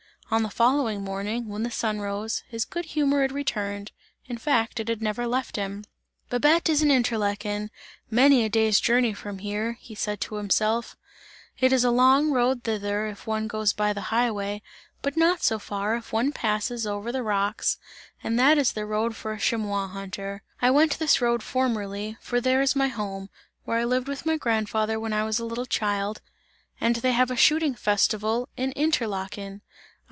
On the following morning, when the sun rose, his good humour had returned, in fact it had never left him. "Babette is in Interlaken, many a day's journey from here!" said he to himself, "it is a long road thither, if one goes by the highway, but not so far if one passes over the rocks and that is the road for a chamois hunter! I went this road formerly, for there is my home, where I lived with my grandfather when I was a little child, and they have a shooting festival in Interlaken!